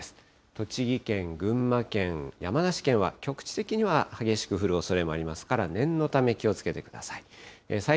栃木県、群馬県、山梨県は局地的には、激しく降るおそれもありますから、念のため気をつけてください。